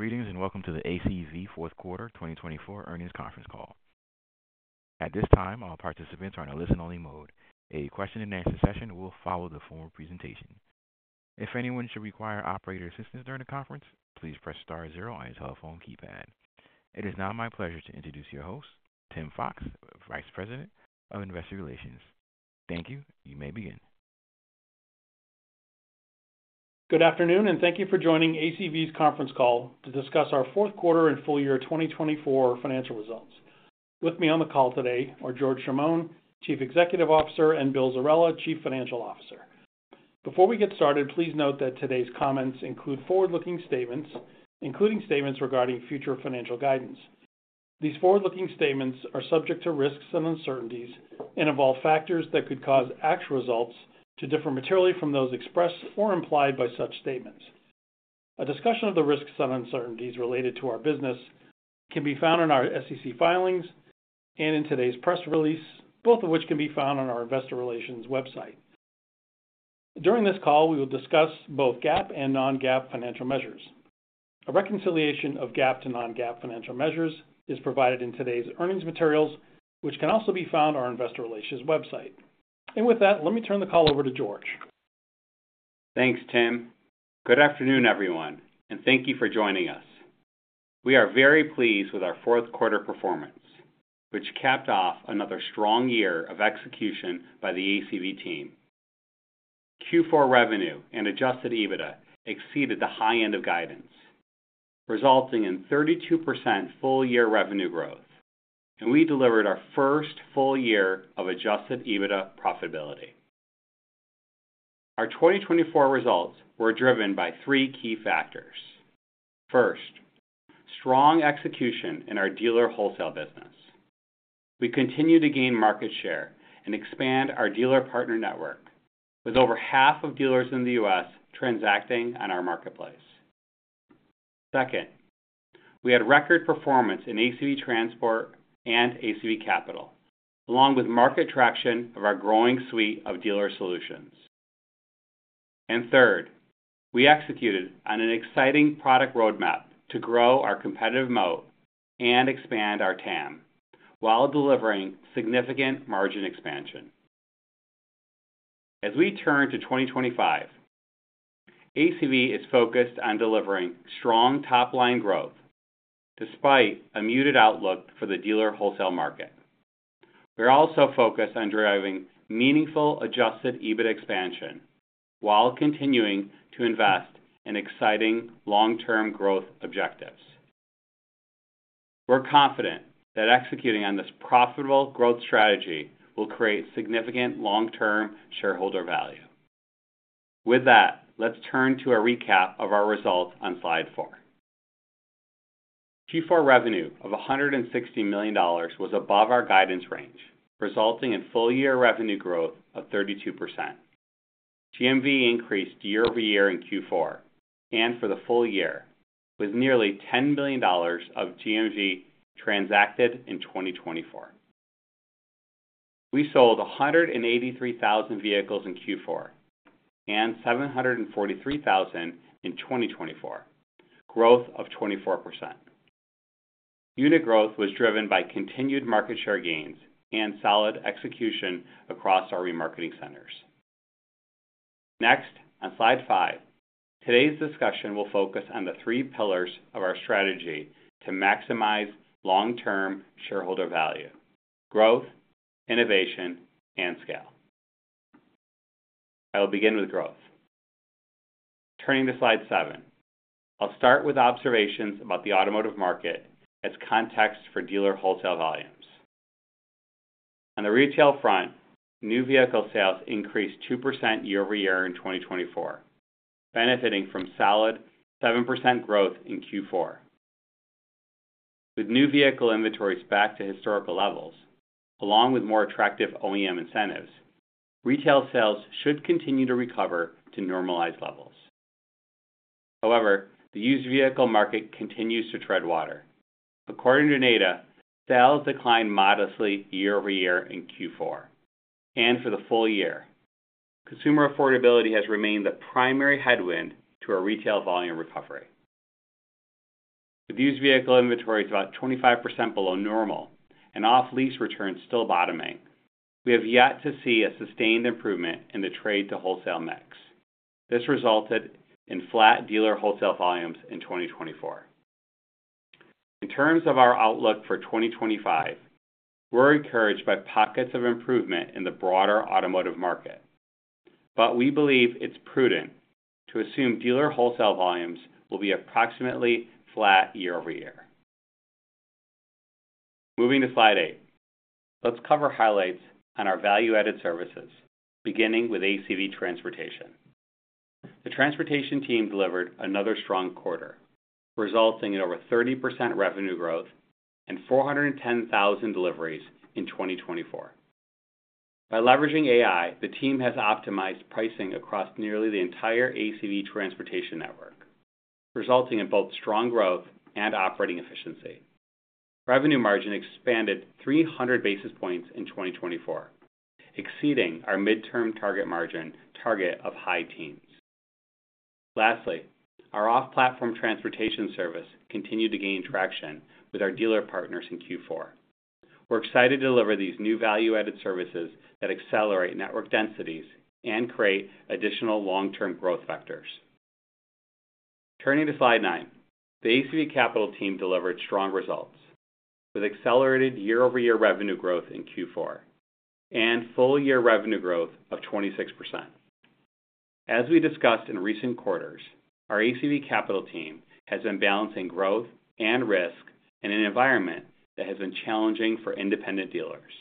Greetings and Welcome to the ACV Q4 2024 Earnings Conference Call. At this time, all participants are in a listen-only mode. A question-and-answer session will follow the full presentation. If anyone should require operator assistance during the conference, please press star zero on your telephone keypad. It is now my pleasure to introduce your host, Tim Fox, Vice President of Investor Relations. Thank you. You may begin. Good afternoon, and thank you for joining ACV's conference call to discuss our Q4 and full year 2024 financial results. With me on the call today are George Chamoun, Chief Executive Officer, and Bill Zerella, Chief Financial Officer. Before we get started, please note that today's comments include forward-looking statements, including statements regarding future financial guidance. These forward-looking statements are subject to risks and uncertainties and involve factors that could cause actual results to differ materially from those expressed or implied by such statements. A discussion of the risks and uncertainties related to our business can be found in our SEC filings and in today's press release, both of which can be found on our Investor Relations website. During this call, we will discuss both GAAP and non-GAAP financial measures. A reconciliation of GAAP to non-GAAP financial measures is provided in today's earnings materials, which can also be found on our Investor Relations website. With that, let me turn the call over to George. Thanks, Tim. Good afternoon, everyone, and thank you for joining us. We are very pleased with our Q4 performance, which capped off another strong year of execution by the ACV team. Q4 revenue and Adjusted EBITDA exceeded the high end of guidance, resulting in 32% full year revenue growth, and we delivered our first full year of Adjusted EBITDA profitability. Our 2024 results were driven by three key factors. First, strong execution in our dealer wholesale business. We continue to gain market share and expand our dealer partner network, with over half of dealers in the U.S. transacting on our marketplace. Second, we had record performance in ACV Transport and ACV Capital, along with market traction of our growing suite of dealer solutions. And third, we executed on an exciting product roadmap to grow our competitive moat and expand our TAM while delivering significant margin expansion. As we turn to 2025, ACV is focused on delivering strong top-line growth despite a muted outlook for the dealer wholesale market. We're also focused on driving meaningful adjusted EBIT expansion while continuing to invest in exciting long-term growth objectives. We're confident that executing on this profitable growth strategy will create significant long-term shareholder value. With that, let's turn to a recap of our results on slide four. Q4 revenue of $160 million was above our guidance range, resulting in full year revenue growth of 32%. GMV increased year over year in Q4 and for the full year with nearly $10 million of GMV transacted in 2024. We sold 183,000 vehicles in Q4 and 743,000 in 2024, growth of 24%. Unit growth was driven by continued market share gains and solid execution across our remarketing centers. Next, on slide five, today's discussion will focus on the three pillars of our strategy to maximize long-term shareholder value: growth, innovation, and scale. I'll begin with growth. Turning to slide seven, I'll start with observations about the automotive market as context for dealer wholesale volumes. On the retail front, new vehicle sales increased 2% year over year in 2024, benefiting from solid 7% growth in Q4. With new vehicle inventories back to historical levels, along with more attractive OEM incentives, retail sales should continue to recover to normalized levels. However, the used vehicle market continues to tread water. According to NADA, sales declined modestly year over year in Q4 and for the full year. Consumer affordability has remained the primary headwind to our retail volume recovery. With used vehicle inventories about 25% below normal and off-lease returns still bottoming, we have yet to see a sustained improvement in the trade-to-wholesale mix. This resulted in flat dealer wholesale volumes in 2024. In terms of our outlook for 2025, we're encouraged by pockets of improvement in the broader automotive market, but we believe it's prudent to assume dealer wholesale volumes will be approximately flat year over year. Moving to slide eight, let's cover highlights on our value-added services, beginning with ACV Transportation. The transportation team delivered another strong quarter, resulting in over 30% revenue growth and 410,000 deliveries in 2024. By leveraging AI, the team has optimized pricing across nearly the entire ACV Transportation network, resulting in both strong growth and operating efficiency. Revenue margin expanded 300 basis points in 2024, exceeding our midterm target margin target of high teens. Lastly, our off-platform transportation service continued to gain traction with our dealer partners in Q4. We're excited to deliver these new value-added services that accelerate network densities and create additional long-term growth vectors. Turning to slide nine, the ACV Capital team delivered strong results with accelerated year-over-year revenue growth in Q4 and full year revenue growth of 26%. As we discussed in recent quarters, our ACV Capital team has been balancing growth and risk in an environment that has been challenging for independent dealers.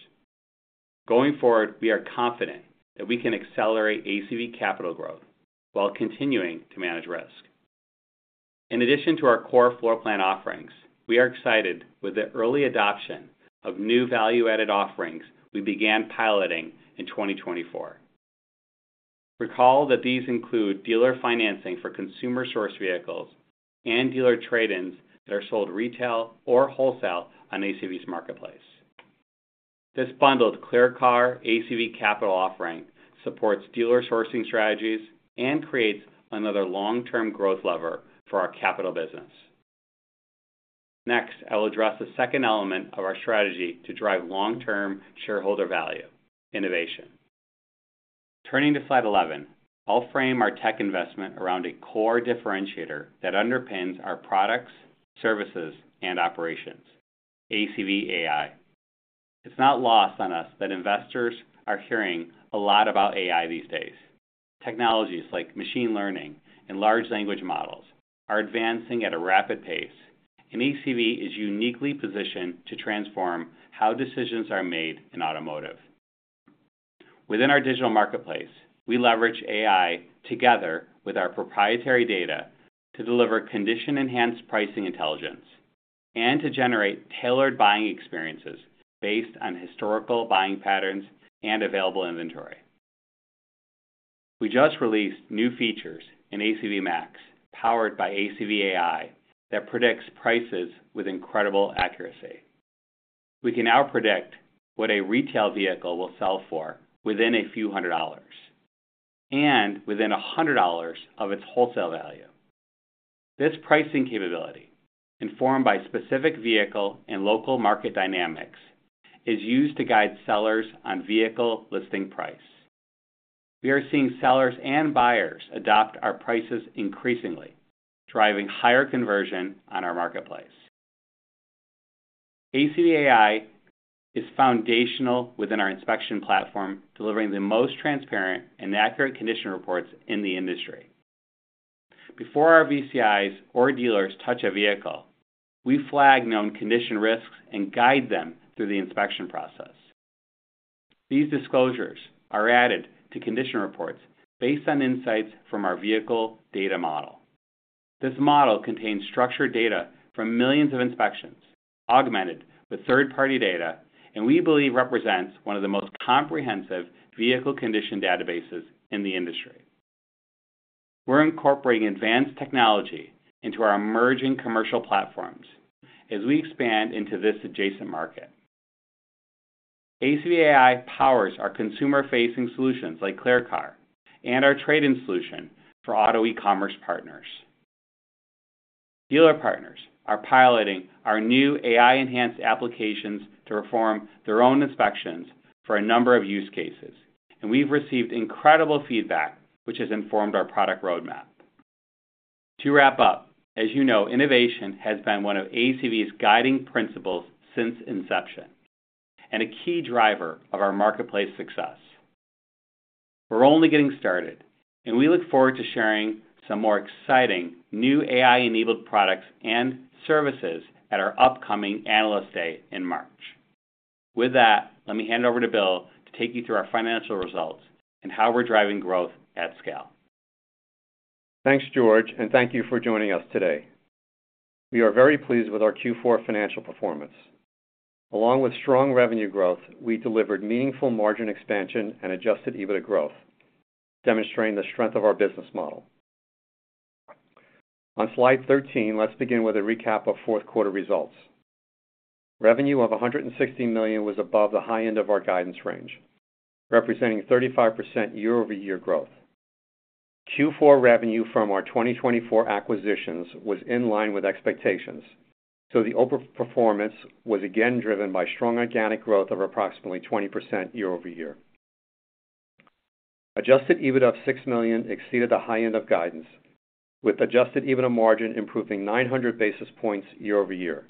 Going forward, we are confident that we can accelerate ACV Capital growth while continuing to manage risk. In addition to our core floor plan offerings, we are excited with the early adoption of new value-added offerings we began piloting in 2024. Recall that these include dealer financing for consumer-source vehicles and dealer trade-ins that are sold retail or wholesale on ACV's marketplace. This bundled ClearCar ACV Capital offering supports dealer sourcing strategies and creates another long-term growth lever for our capital business. Next, I'll address the second element of our strategy to drive long-term shareholder value: innovation. Turning to slide 11, I'll frame our tech investment around a core differentiator that underpins our products, services, and operations: ACV AI. It's not lost on us that investors are hearing a lot about AI these days. Technologies like machine learning and large language models are advancing at a rapid pace, and ACV is uniquely positioned to transform how decisions are made in automotive. Within our digital marketplace, we leverage AI together with our proprietary data to deliver condition-enhanced pricing intelligence and to generate tailored buying experiences based on historical buying patterns and available inventory. We just released new features in ACV MAX powered by ACV AI that predicts prices with incredible accuracy. We can now predict what a retail vehicle will sell for within a few hundred dollars and within $100 of its wholesale value. This pricing capability, informed by specific vehicle and local market dynamics, is used to guide sellers on vehicle listing price. We are seeing sellers and buyers adopt our prices increasingly, driving higher conversion on our marketplace. ACV AI is foundational within our inspection platform, delivering the most transparent and accurate condition reports in the industry. Before our VCIs or dealers touch a vehicle, we flag known condition risks and guide them through the inspection process. These disclosures are added to condition reports based on insights from our vehicle data model. This model contains structured data from millions of inspections, augmented with third-party data, and we believe represents one of the most comprehensive vehicle condition databases in the industry. We're incorporating advanced technology into our emerging commercial platforms as we expand into this adjacent market. ACV AI powers our consumer-facing solutions like ClearCar and our trade-in solution for auto e-commerce partners. Dealer partners are piloting our new AI-enhanced applications to perform their own inspections for a number of use cases, and we've received incredible feedback, which has informed our product roadmap. To wrap up, as you know, innovation has been one of ACV's guiding principles since inception and a key driver of our marketplace success. We're only getting started, and we look forward to sharing some more exciting new AI-enabled products and services at our upcoming Analyst Day in March. With that, let me hand over to Bill to take you through our financial results and how we're driving growth at scale. Thanks, George, and thank you for joining us today. We are very pleased with our Q4 financial performance. Along with strong revenue growth, we delivered meaningful margin expansion and Adjusted EBITDA growth, demonstrating the strength of our business model. On slide 13, let's begin with a recap of Q4 results. Revenue of $116 million was above the high end of our guidance range, representing 35% year-over-year growth. Q4 revenue from our 2024 acquisitions was in line with expectations, so the overperformance was again driven by strong organic growth of approximately 20% year-over-year. Adjusted EBITDA of $6 million exceeded the high end of guidance, with Adjusted EBITDA margin improving 900 basis points year-over-year.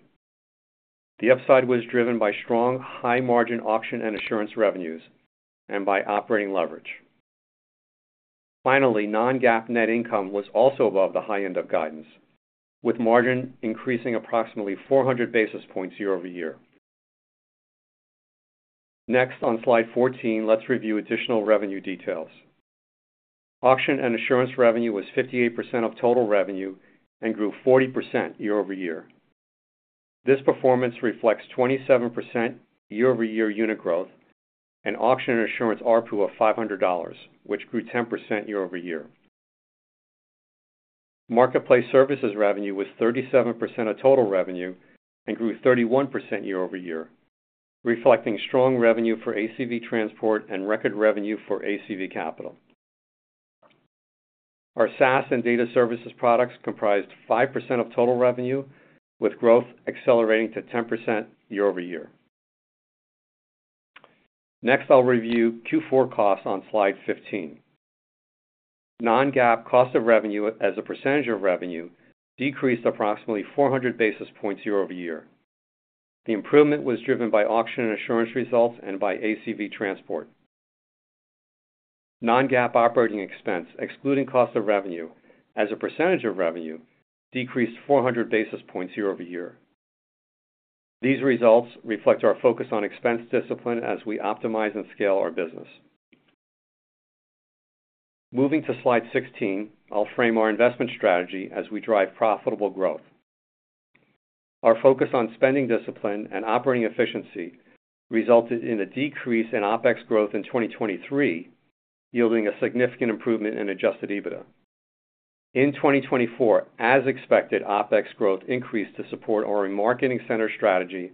The upside was driven by strong high-margin auction and assurance revenues and by operating leverage. Finally, non-GAAP net income was also above the high end of guidance, with margin increasing approximately 400 basis points year-over-year. Next, on slide 14, let's review additional revenue details. Auction and assurance revenue was 58% of total revenue and grew 40% year-over-year. This performance reflects 27% year-over-year unit growth and auction and assurance RPU of $500, which grew 10% year-over-year. Marketplace services revenue was 37% of total revenue and grew 31% year-over-year, reflecting strong revenue for ACV Transport and record revenue for ACV Capital. Our SaaS and data services products comprised 5% of total revenue, with growth accelerating to 10% year-over-year. Next, I'll review Q4 costs on slide 15. Non-GAAP cost of revenue as a percentage of revenue decreased approximately 400 basis points year-over-year. The improvement was driven by auction and assurance results and by ACV Transport. Non-GAAP operating expense, excluding cost of revenue as a percentage of revenue, decreased 400 basis points year-over-year. These results reflect our focus on expense discipline as we optimize and scale our business. Moving to slide 16, I'll frame our investment strategy as we drive profitable growth. Our focus on spending discipline and operating efficiency resulted in a decrease in OpEx growth in 2023, yielding a significant improvement in Adjusted EBITDA. In 2024, as expected, OpEx growth increased to support our remarketing center strategy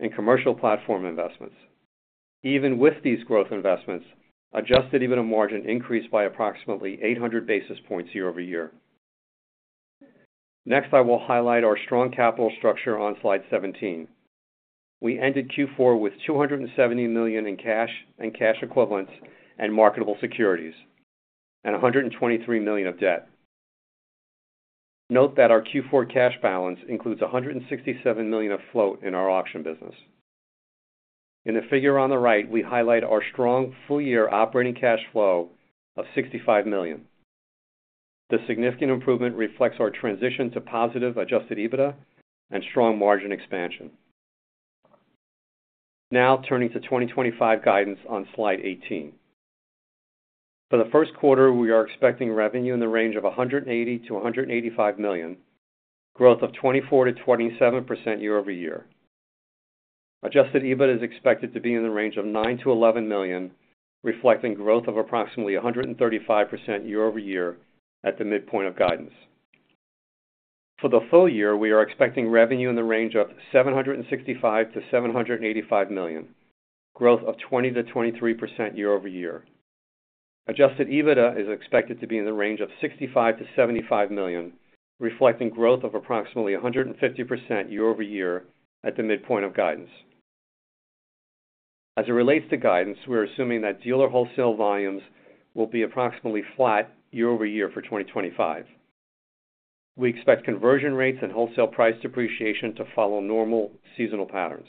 and commercial platform investments. Even with these growth investments, Adjusted EBITDA margin increased by approximately 800 basis points year-over-year. Next, I will highlight our strong capital structure on slide 17. We ended Q4 with $270 million in cash and cash equivalents and marketable securities and $123 million of debt. Note that our Q4 cash balance includes $167 million of float in our auction business. In the figure on the right, we highlight our strong full-year operating cash flow of $65 million. The significant improvement reflects our transition to positive Adjusted EBITDA and strong margin expansion. Now, turning to 2025 guidance on slide 18. For the Q1, we are expecting revenue in the range of $180-$185 million, growth of 24%-27% year-over-year. Adjusted EBITDA is expected to be in the range of $9-$11 million, reflecting growth of approximately 135% year-over-year at the midpoint of guidance. For the full year, we are expecting revenue in the range of $765-$785 million, growth of 20%-23% year-over-year. Adjusted EBITDA is expected to be in the range of $65-$75 million, reflecting growth of approximately 150% year-over-year at the midpoint of guidance. As it relates to guidance, we're assuming that dealer wholesale volumes will be approximately flat year-over-year for 2025. We expect conversion rates and wholesale price depreciation to follow normal seasonal patterns.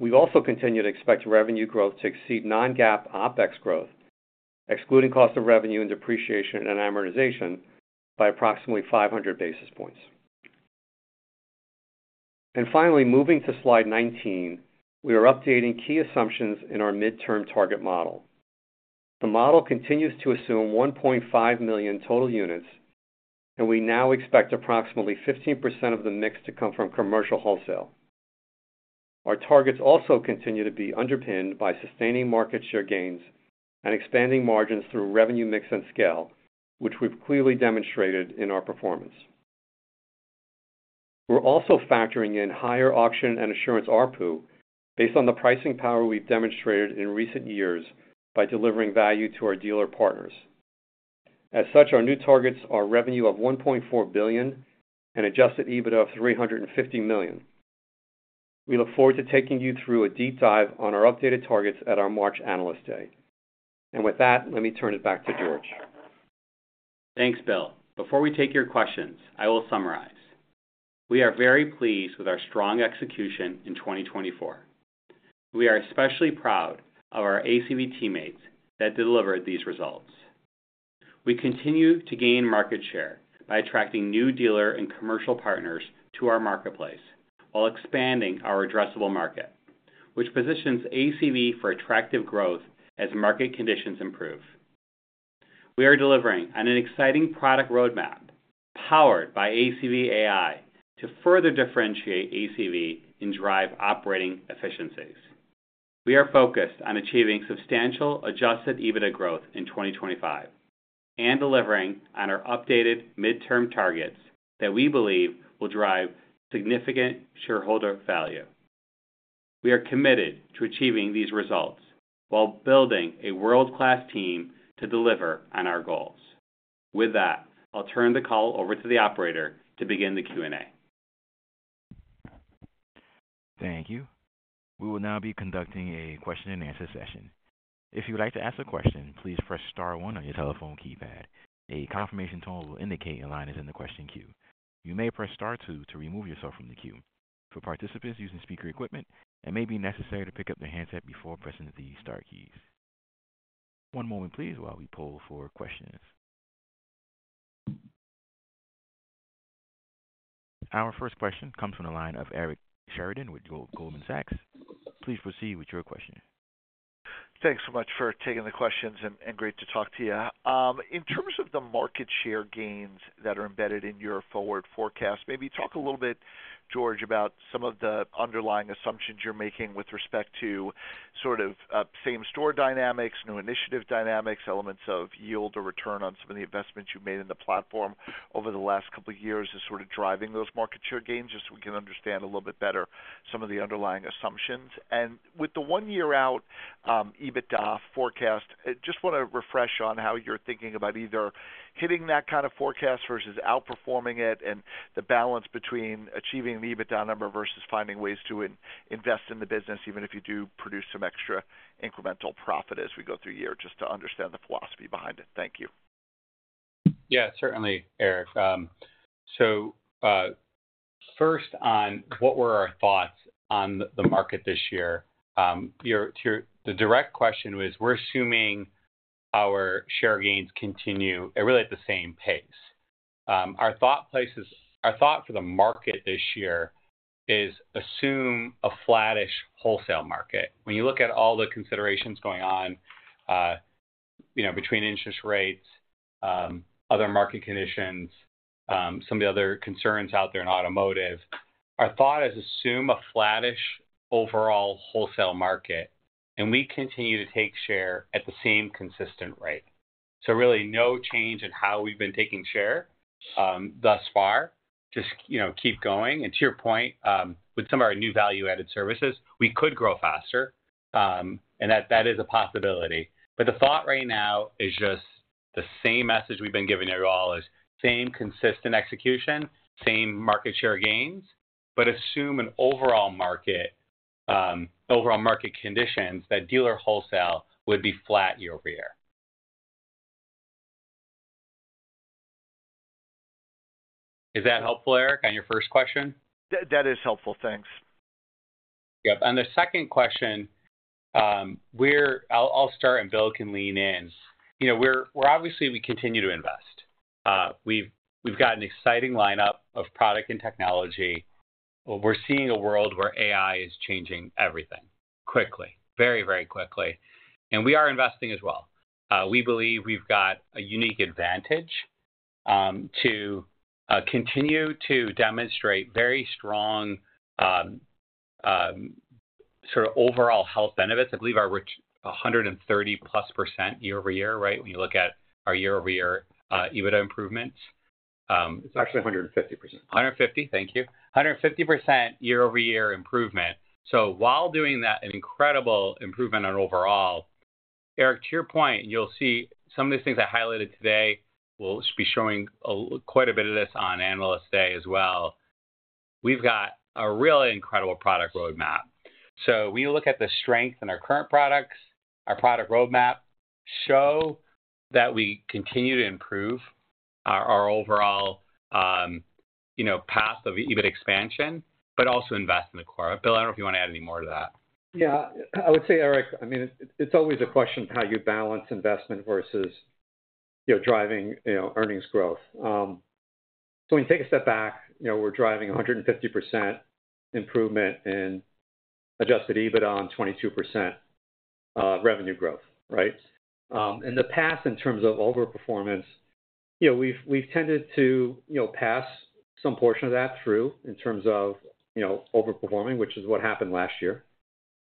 We also continue to expect revenue growth to exceed non-GAAP OpEx growth, excluding cost of revenue and depreciation and amortization, by approximately 500 basis points. Finally, moving to slide 19, we are updating key assumptions in our midterm target model. The model continues to assume 1.5 million total units, and we now expect approximately 15% of the mix to come from commercial wholesale. Our targets also continue to be underpinned by sustaining market share gains and expanding margins through revenue mix and scale, which we've clearly demonstrated in our performance. We're also factoring in higher auction and assurance RPU based on the pricing power we've demonstrated in recent years by delivering value to our dealer partners. As such, our new targets are revenue of $1.4 billion and Adjusted EBITDA of $350 million. We look forward to taking you through a deep dive on our updated targets at our March Analyst Day. And with that, let me turn it back to George. Thanks, Bill. Before we take your questions, I will summarize. We are very pleased with our strong execution in 2024. We are especially proud of our ACV teammates that delivered these results. We continue to gain market share by attracting new dealer and commercial partners to our marketplace while expanding our addressable market, which positions ACV for attractive growth as market conditions improve. We are delivering on an exciting product roadmap powered by ACV AI to further differentiate ACV and drive operating efficiencies. We are focused on achieving substantial Adjusted EBITDA growth in 2025 and delivering on our updated midterm targets that we believe will drive significant shareholder value. We are committed to achieving these results while building a world-class team to deliver on our goals. With that, I'll turn the call over to the operator to begin the Q&A. Thank you. We will now be conducting a question-and-answer session. If you would like to ask a question, please press star one on your telephone keypad. A confirmation tone will indicate a line is in the question queue. You may press star two to remove yourself from the queue. For participants using speaker equipment, it may be necessary to pick up their handset before pressing the star keys. One moment, please, while we pull for questions. Our first question comes from the line of Eric Sheridan with Goldman Sachs. Please proceed with your question. Thanks so much for taking the questions, and great to talk to you. In terms of the market share gains that are embedded in your forward forecast, maybe talk a little bit, George, about some of the underlying assumptions you're making with respect to sort of same-store dynamics, new initiative dynamics, elements of yield or return on some of the investments you've made in the platform over the last couple of years that's sort of driving those market share gains just so we can understand a little bit better some of the underlying assumptions. And with the one-year-out EBITDA forecast, I just want to refresh on how you're thinking about either hitting that kind of forecast versus outperforming it and the balance between achieving the EBITDA number versus finding ways to invest in the business, even if you do produce some extra incremental profit as we go through the year, just to understand the philosophy behind it. Thank you. Yeah, certainly, Eric. So first on what were our thoughts on the market this year? The direct question was, we're assuming our share gains continue really at the same pace. Our thought for the market this year is assume a flattish wholesale market. When you look at all the considerations going on between interest rates, other market conditions, some of the other concerns out there in automotive, our thought is assume a flattish overall wholesale market, and we continue to take share at the same consistent rate. So really no change in how we've been taking share thus far, just keep going. And to your point, with some of our new value-added services, we could grow faster, and that is a possibility. But the thought right now is just the same message we've been giving everyone is same consistent execution, same market share gains, but assume an overall market conditions that dealer wholesale would be flat year-over-year. Is that helpful, Eric, on your first question? That is helpful. Thanks. Yep. On the second question, I'll start, and Bill can lean in. Obviously, we continue to invest. We've got an exciting lineup of product and technology. We're seeing a world where AI is changing everything quickly, very, very quickly. And we are investing as well. We believe we've got a unique advantage to continue to demonstrate very strong sort of overall health benefits. I believe our 130%+ year-over-year, right, when you look at our year-over-year EBITDA improvements. It's actually 150%. Thank you. 150% year-over-year improvement. So while doing that, an incredible improvement on overall. Eric, to your point, you'll see some of these things I highlighted today will be showing quite a bit of this on Analyst Day as well. We've got a really incredible product roadmap. So when you look at the strength in our current products, our product roadmap, show that we continue to improve our overall path of EBIT expansion, but also invest in the core. Bill, I don't know if you want to add any more to that. Yeah. I would say, Eric, I mean, it's always a question of how you balance investment versus driving earnings growth. So when you take a step back, we're driving 150% improvement in Adjusted EBITDA and 22% revenue growth, right? In the past, in terms of overperformance, we've tended to pass some portion of that through in terms of overperforming, which is what happened last year.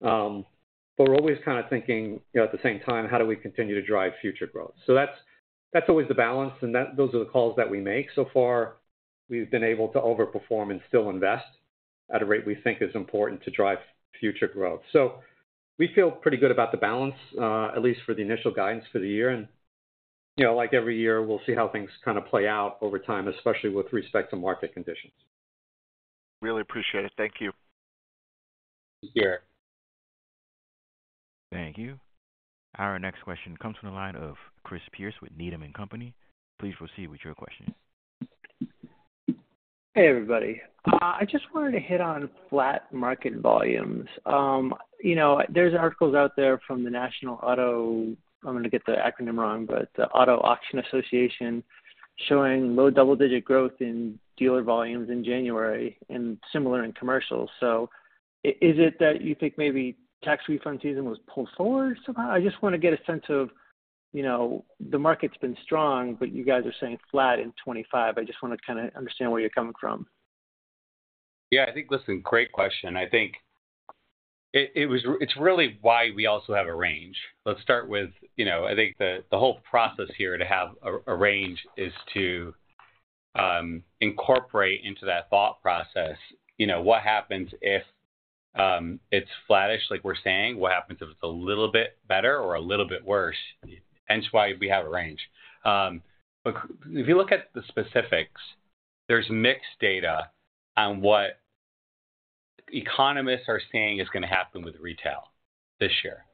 But we're always kind of thinking at the same time, how do we continue to drive future growth? So that's always the balance, and those are the calls that we make. So far, we've been able to overperform and still invest at a rate we think is important to drive future growth. So we feel pretty good about the balance, at least for the initial guidance for the year. And like every year, we'll see how things kind of play out over time, especially with respect to market conditions. Really appreciate it. Thank you. Thank you, Eric. Thank you. Our next question comes from the line of Chris Pierce with Needham & Company. Please proceed with your question. Hey, everybody. I just wanted to hit on flat market volumes. There's articles out there from the National Auto, I'm going to get the acronym wrong, but the Auto Auction Association showing low double-digit growth in dealer volumes in January and similar in commercials. So is it that you think maybe tax refund season was pulled forward somehow? I just want to get a sense of the market's been strong, but you guys are saying flat in 2025. I just want to kind of understand where you're coming from. Yeah. I think, listen, great question. I think it's really why we also have a range. Let's start with, I think, the whole process here to have a range is to incorporate into that thought process what happens if it's flattish like we're saying, what happens if it's a little bit better or a little bit worse, hence why we have a range. But if you look at the specifics, there's mixed data on what economists are saying is going to happen with retail this year.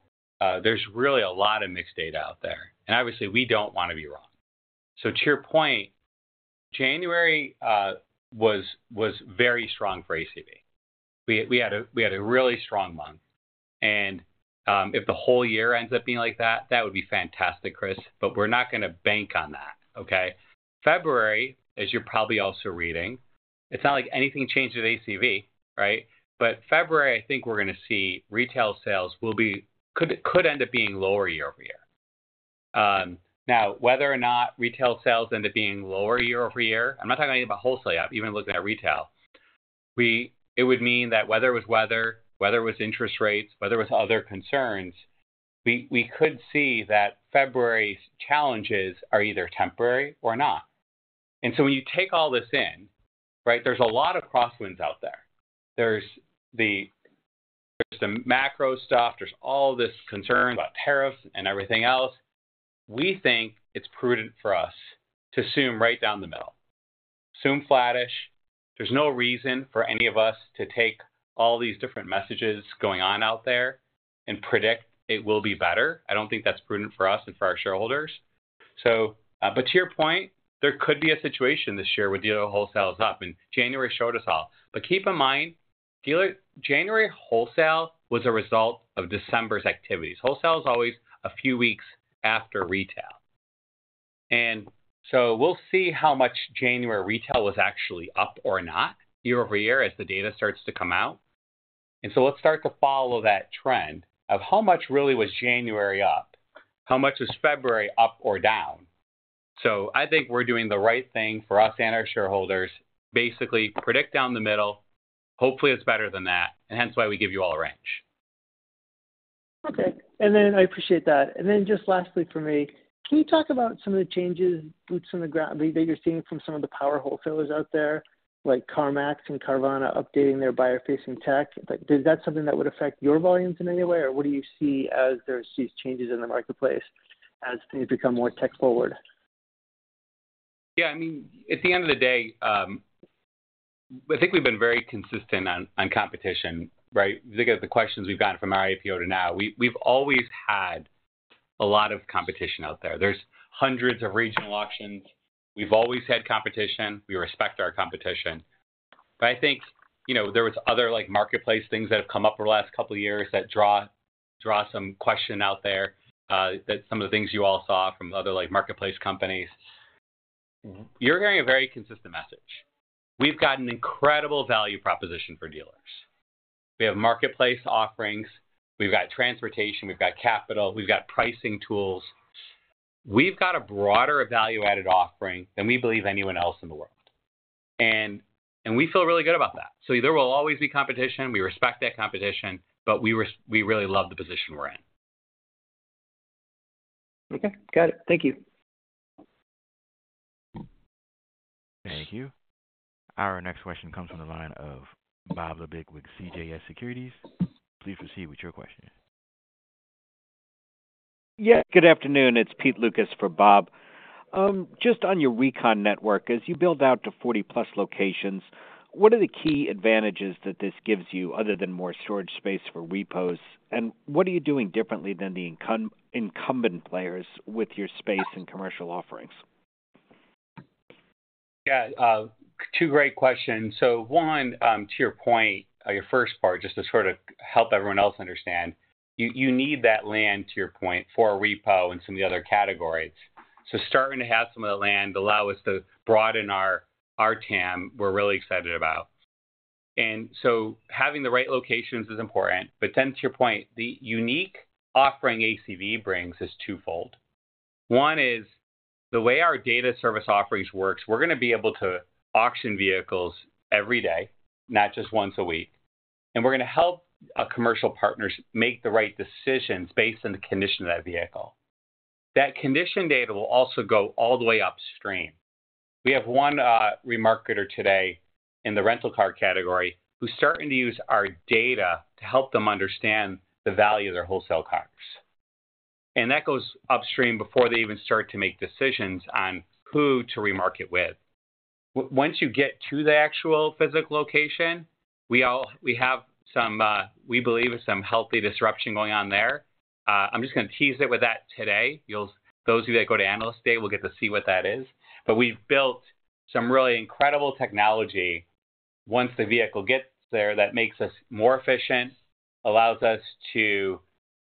There's really a lot of mixed data out there. And obviously, we don't want to be wrong. So to your point, January was very strong for ACV. We had a really strong month. And if the whole year ends up being like that, that would be fantastic, Chris. But we're not going to bank on that, okay? February, as you're probably also reading, it's not like anything changed with ACV, right? But February, I think we're going to see retail sales could end up being lower year-over-year. Now, whether or not retail sales end up being lower year-over-year, I'm not talking about wholesale, even looking at retail, it would mean that whether it was weather, whether it was interest rates, whether it was other concerns, we could see that February's challenges are either temporary or not. And so when you take all this in, right, there's a lot of crosswinds out there. There's the macro stuff. There's all this concern about tariffs and everything else. We think it's prudent for us to assume right down the middle. Assume flattish. There's no reason for any of us to take all these different messages going on out there and predict it will be better. I don't think that's prudent for us and for our shareholders. But to your point, there could be a situation this year with dealer wholesales up, and January showed us all. But keep in mind, January wholesale was a result of December's activities. Wholesale is always a few weeks after retail. And so we'll see how much January retail was actually up or not year-over-year as the data starts to come out. And so let's start to follow that trend of how much really was January up, how much was February up or down. So I think we're doing the right thing for us and our shareholders. Basically, predict down the middle. Hopefully, it's better than that. And hence why we give you all a range. Okay. And then I appreciate that. And then just lastly for me, can you talk about some of the changes, boots on the ground, that you're seeing from some of the power wholesalers out there, like CarMax and Carvana updating their buyer-facing tech? Is that something that would affect your volumes in any way, or what do you see as there's these changes in the marketplace as things become more tech-forward? Yeah. I mean, at the end of the day, I think we've been very consistent on competition, right? If you look at the questions we've gotten from our IPO to now, we've always had a lot of competition out there. There's hundreds of regional auctions. We've always had competition. We respect our competition. But I think there were other marketplace things that have come up over the last couple of years that draw some question out there that some of the things you all saw from other marketplace companies. You're hearing a very consistent message. We've got an incredible value proposition for dealers. We have marketplace offerings. We've got transportation. We've got capital. We've got pricing tools. We've got a broader value-added offering than we believe anyone else in the world. And we feel really good about that. So there will always be competition. We respect that competition, but we really love the position we're in. Okay. Got it. Thank you. Thank you. Our next question comes from the line of Bob Labick with CJS Securities. Please proceed with your question. Yeah. Good afternoon. It's Pete Lucas for Bob. Just on your recon network, as you build out to 40+ locations, what are the key advantages that this gives you other than more storage space for repos? And what are you doing differently than the incumbent players with your SaaS and commercial offerings? Yeah. Two great questions. So one, to your point, your first part, just to sort of help everyone else understand, you need that land, to your point, for a repo and some of the other categories. So starting to have some of that land allows us to broaden our TAM, we're really excited about. And so having the right locations is important. But then, to your point, the unique offering ACV brings is twofold. One is the way our data service offerings works. We're going to be able to auction vehicles every day, not just once a week. And we're going to help our commercial partners make the right decisions based on the condition of that vehicle. That condition data will also go all the way upstream. We have one remarketer today in the rental car category who's starting to use our data to help them understand the value of their wholesale cars, and that goes upstream before they even start to make decisions on who to remarket with. Once you get to the actual physical location, we have some we believe is healthy disruption going on there. I'm just going to tease it with that today. Those of you that go to Analyst Day will get to see what that is, but we've built some really incredible technology once the vehicle gets there that makes us more efficient, allows us to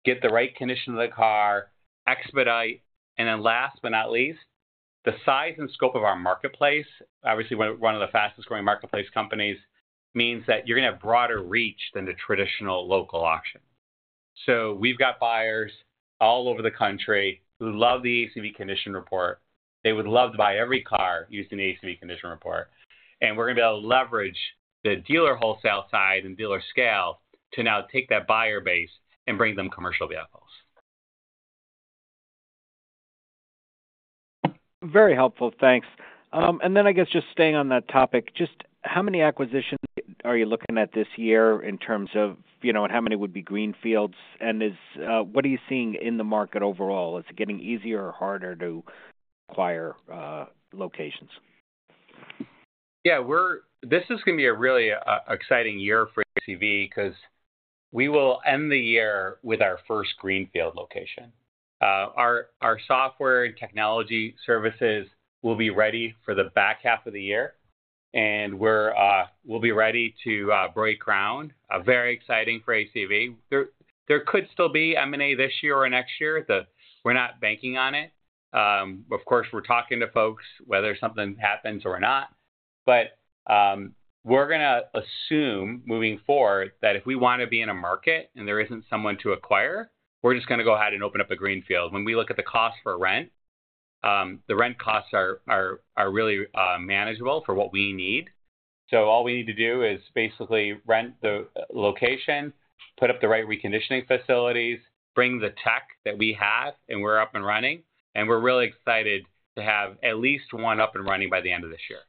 get the right condition of the car, expedite, and then last but not least, the size and scope of our marketplace, obviously, we're one of the fastest-growing marketplace companies, means that you're going to have broader reach than the traditional local auction. We've got buyers all over the country who love the ACV condition report. They would love to buy every car using the ACV condition report. We're going to be able to leverage the dealer wholesale side and dealer scale to now take that buyer base and bring them commercial vehicles. Very helpful. Thanks. And then I guess just staying on that topic, just how many acquisitions are you looking at this year in terms of how many would be greenfields? And what are you seeing in the market overall? Is it getting easier or harder to acquire locations? Yeah. This is going to be a really exciting year for ACV because we will end the year with our first greenfield location. Our software and technology services will be ready for the back half of the year. And we'll be ready to break ground. Very exciting for ACV. There could still be M&A this year or next year. We're not banking on it. Of course, we're talking to folks whether something happens or not. But we're going to assume moving forward that if we want to be in a market and there isn't someone to acquire, we're just going to go ahead and open up a greenfield. When we look at the cost for rent, the rent costs are really manageable for what we need. So all we need to do is basically rent the location, put up the right reconditioning facilities, bring the tech that we have and we're up and running. And we're really excited to have at least one up and running by the end of this year.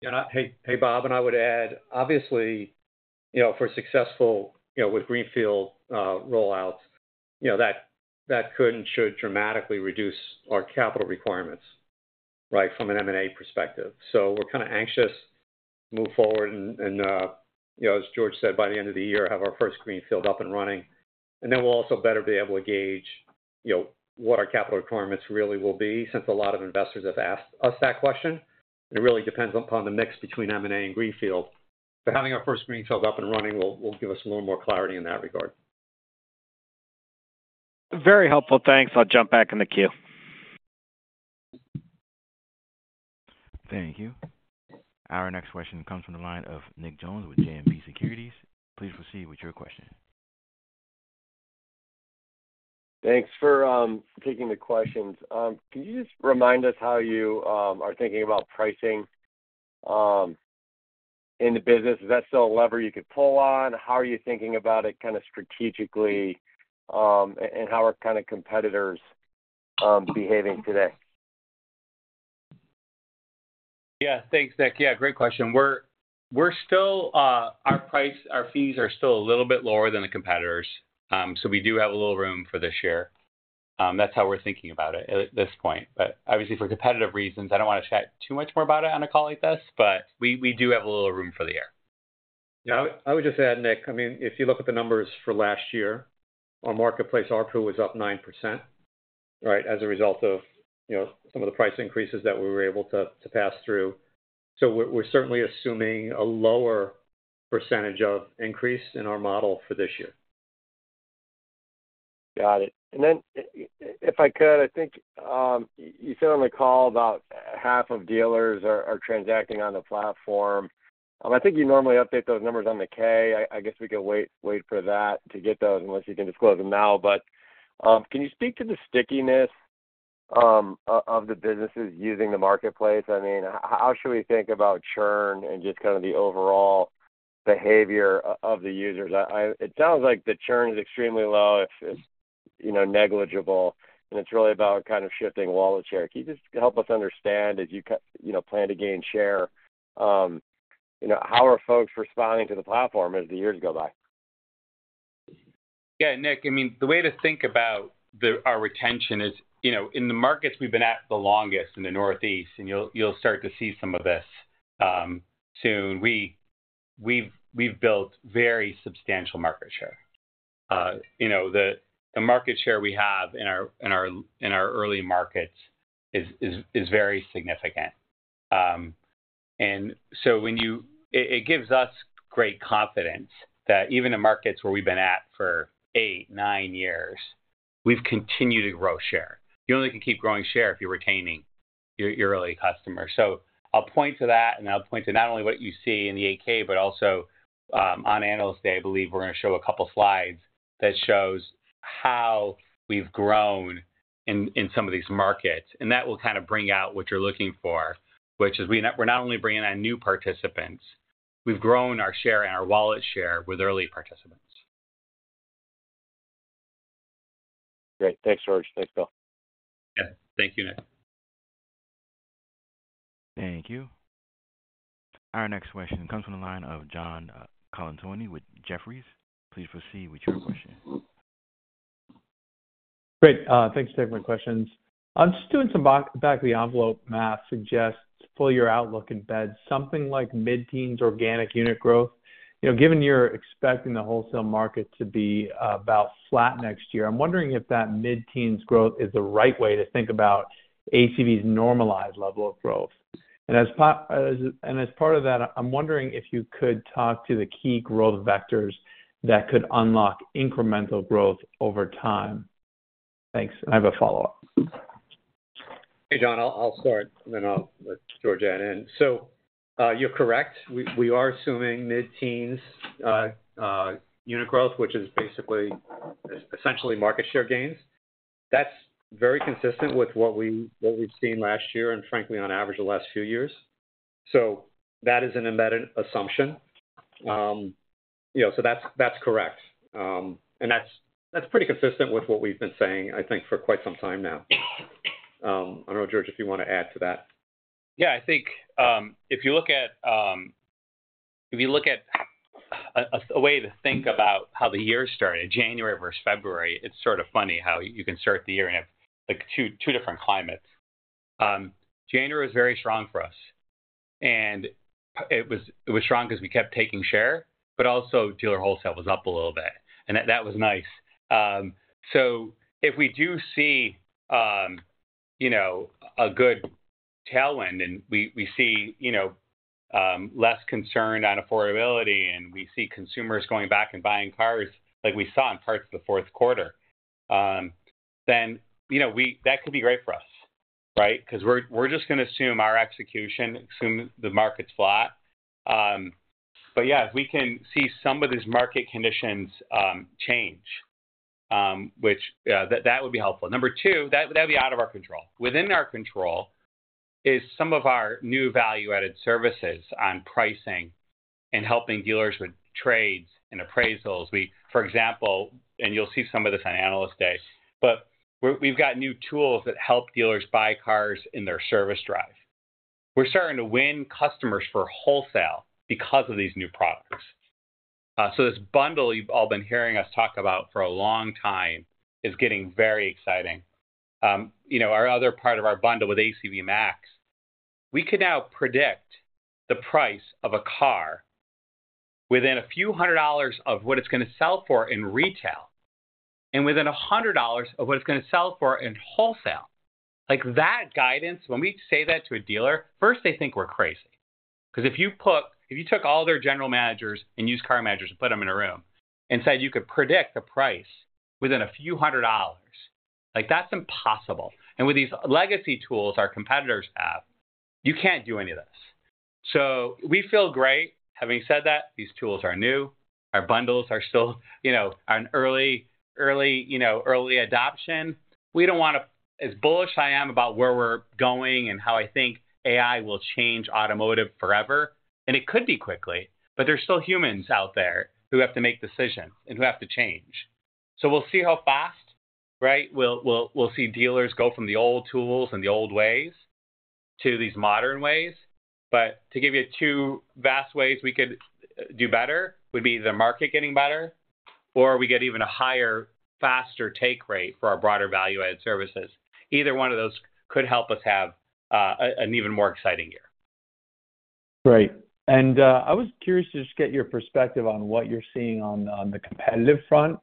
Yeah. Hey, Bob, and I would add, obviously, for successful with greenfield rollouts, that could and should dramatically reduce our capital requirements, right, from an M&A perspective. So we're kind of anxious to move forward and, as George said, by the end of the year, have our first greenfield up and running. And then we'll also better be able to gauge what our capital requirements really will be since a lot of investors have asked us that question. It really depends upon the mix between M&A and greenfield. But having our first greenfield up and running will give us a little more clarity in that regard. Very helpful. Thanks. I'll jump back in the queue. Thank you. Our next question comes from the line of Nick Jones with JMP Securities. Please proceed with your question. Thanks for taking the questions. Can you just remind us how you are thinking about pricing in the business? Is that still a lever you could pull on? How are you thinking about it kind of strategically and how are kind of competitors behaving today? Yeah. Thanks, Nick. Yeah. Great question. Our fees are still a little bit lower than the competitors, so we do have a little room for this year. That's how we're thinking about it at this point. But obviously, for competitive reasons, I don't want to chat too much more about it on a call like this, but we do have a little room for the year. Yeah. I would just add, Nick, I mean, if you look at the numbers for last year, our marketplace RPU was up 9%, right, as a result of some of the price increases that we were able to pass through. So we're certainly assuming a lower percentage of increase in our model for this year. Got it. And then if I could, I think you said on the call about half of dealers are transacting on the platform. I think you normally update those numbers on the K. I guess we could wait for that to get those unless you can disclose them now. But can you speak to the stickiness of the businesses using the marketplace? I mean, how should we think about churn and just kind of the overall behavior of the users? It sounds like the churn is extremely low, negligible, and it's really about kind of shifting wholesale. Can you just help us understand as you plan to gain share how are folks responding to the platform as the years go by? Yeah. Nick, I mean, the way to think about our retention is in the markets we've been at the longest in the Northeast, and you'll start to see some of this soon. We've built very substantial market share. The market share we have in our early markets is very significant. And so it gives us great confidence that even in markets where we've been at for eight, nine years, we've continued to grow share. You only can keep growing share if you're retaining your early customers. So I'll point to that, and I'll point to not only what you see in the 8-K, but also on Analyst Day, I believe we're going to show a couple of slides that shows how we've grown in some of these markets. And that will kind of bring out what you're looking for, which is we're not only bringing on new participants. We've grown our share and our wallet share with early participants. Great. Thanks, George. Thanks, Bill. Yeah. Thank you, Nick. Thank you. Our next question comes from the line of John Colantuoni with Jefferies. Please proceed with your question. Great. Thanks for taking my questions. I'm just doing some back-of-the-envelope math. Suggests for your outlook in bed, something like mid-teens organic unit growth. Given you're expecting the wholesale market to be about flat next year, I'm wondering if that mid-teens growth is the right way to think about ACV's normalized level of growth. And as part of that, I'm wondering if you could talk to the key growth vectors that could unlock incremental growth over time. Thanks. And I have a follow-up. Hey, John. I'll start, and then I'll let George add in. So you're correct. We are assuming mid-teens unit growth, which is basically essentially market share gains. That's very consistent with what we've seen last year and, frankly, on average the last few years. So that is an embedded assumption. So that's correct. And that's pretty consistent with what we've been saying, I think, for quite some time now. I don't know, George, if you want to add to that. Yeah. I think if you look at a way to think about how the year started, January versus February, it's sort of funny how you can start the year in two different climates. January was very strong for us, and it was strong because we kept taking share, but also dealer wholesale was up a little bit, and that was nice, so if we do see a good tailwind and we see less concern on affordability and we see consumers going back and buying cars like we saw in parts of the Q4, then that could be great for us, right? Because we're just going to assume our execution, assume the market's flat. But yeah, if we can see some of these market conditions change, that would be helpful. Number two, that would be out of our control. Within our control is some of our new value-added services on pricing and helping dealers with trades and appraisals. For example, and you'll see some of this on Analyst Day, but we've got new tools that help dealers buy cars in their service drive. We're starting to win customers for wholesale because of these new products, so this bundle you've all been hearing us talk about for a long time is getting very exciting. Our other part of our bundle with ACV MAX, we can now predict the price of a car within a few hundred dollars of what it's going to sell for in retail and within a hundred dollars of what it's going to sell for in wholesale. That guidance, when we say that to a dealer, first they think we're crazy. Because if you took all their general managers and used car managers and put them in a room and said you could predict the price within a few hundred dollars, that's impossible. And with these legacy tools our competitors have, you can't do any of this. So we feel great having said that. These tools are new. Our bundles are still on early adoption. We don't want to, as bullish as I am about where we're going and how I think AI will change automotive forever, and it could be quickly, but there's still humans out there who have to make decisions and who have to change. So we'll see how fast, right? We'll see dealers go from the old tools and the old ways to these modern ways. But to give you two ways we could do better would be the market getting better or we get even a higher, faster take rate for our broader value-added services. Either one of those could help us have an even more exciting year. Great. I was curious to just get your perspective on what you're seeing on the competitive front.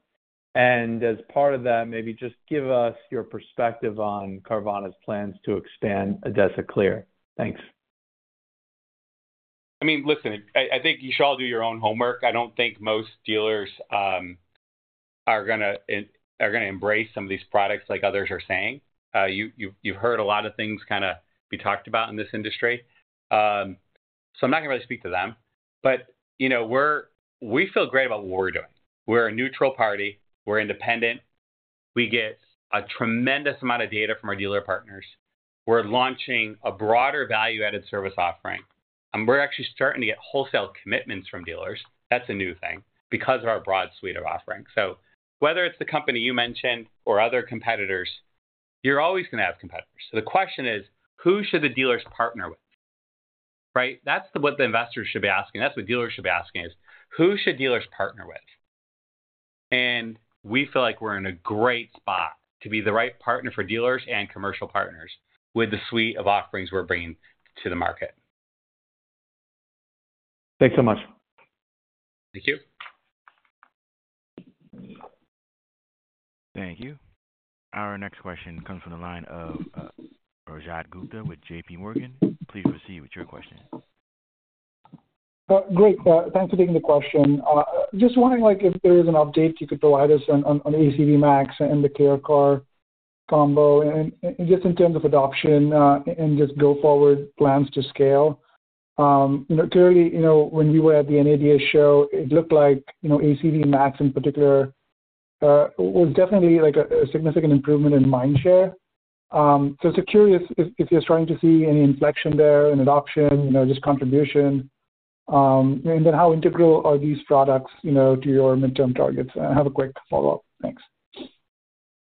As part of that, maybe just give us your perspective on Carvana's plans to expand ADESA Clear. Thanks. I mean, listen, I think you should all do your own homework. I don't think most dealers are going to embrace some of these products like others are saying. You've heard a lot of things kind of be talked about in this industry. So I'm not going to really speak to them. But we feel great about what we're doing. We're a neutral party. We're independent. We get a tremendous amount of data from our dealer partners. We're launching a broader value-added service offering. And we're actually starting to get wholesale commitments from dealers. That's a new thing because of our broad suite of offerings. So whether it's the company you mentioned or other competitors, you're always going to have competitors. So the question is, who should the dealers partner with, right? That's what the investors should be asking. That's what dealers should be asking: who should dealers partner with? And we feel like we're in a great spot to be the right partner for dealers and commercial partners with the suite of offerings we're bringing to the market. Thanks so much. Thank you. Thank you. Our next question comes from the line of Rajat Gupta with JP Morgan. Please proceed with your question. Great. Thanks for taking the question. Just wondering if there is an update you could provide us on ACV MAX and the ClearCar Combo just in terms of adoption and just go-forward plans to scale. Clearly, when we were at the NADA show, it looked like ACV MAX in particular was definitely a significant improvement in mind share. So I was curious if you're starting to see any inflection there in adoption, just contribution, and then how integral are these products to your midterm targets? And I have a quick follow-up. Thanks.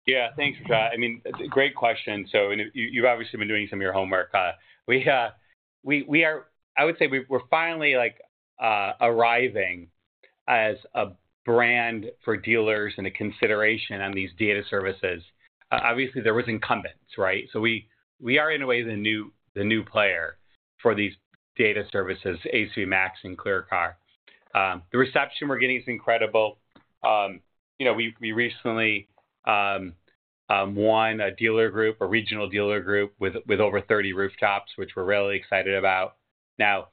Yeah. Thanks, Rajat. I mean, great question. So you've obviously been doing some of your homework. I would say we're finally arriving as a brand for dealers and a consideration on these data services. Obviously, there was incumbents, right? So we are in a way the new player for these data services, ACV MAX and ClearCar. The reception we're getting is incredible. We recently won a regional dealer group with over 30 rooftops, which we're really excited about. Now,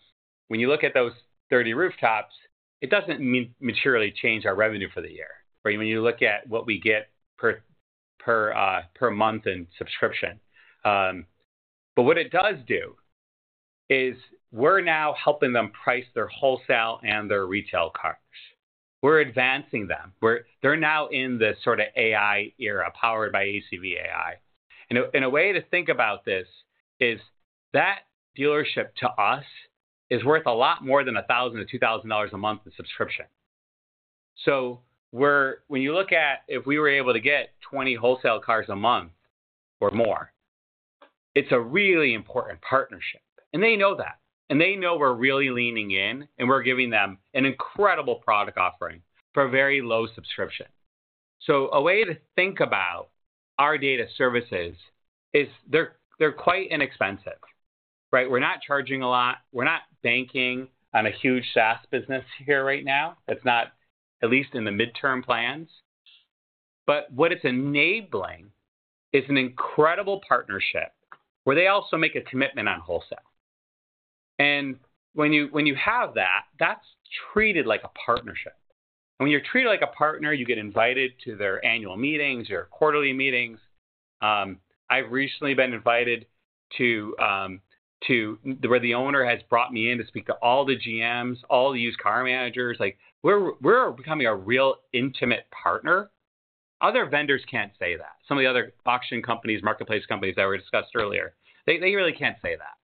when you look at those 30 rooftops, it doesn't materially change our revenue for the year, right? When you look at what we get per month in subscription. But what it does do is we're now helping them price their wholesale and their retail cars. We're advancing them. They're now in this sort of AI era powered by ACV AI. A way to think about this is that a dealership to us is worth a lot more than $1,000-$2,000 a month in subscription. So when you look at if we were able to get 20 wholesale cars a month or more, it's a really important partnership. They know that. They know we're really leaning in, and we're giving them an incredible product offering for a very low subscription. A way to think about our data services is they're quite inexpensive, right? We're not charging a lot. We're not banking on a huge SaaS business here right now. That's not at least in the midterm plans. What it's enabling is an incredible partnership where they also make a commitment on wholesale. When you have that, that's treated like a partnership. And when you're treated like a partner, you get invited to their annual meetings, their quarterly meetings. I've recently been invited to where the owner has brought me in to speak to all the GMs, all the used car managers. We're becoming a real intimate partner. Other vendors can't say that. Some of the other auction companies, marketplace companies that we discussed earlier, they really can't say that.